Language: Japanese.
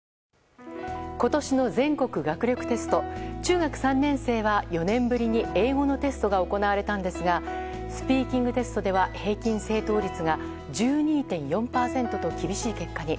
今年の全国学力テスト中学３年生は、４年ぶりに英語のテストが行われたんですが英語のスピーキングテストでは平均正答率が１２．４％と厳しい結果に。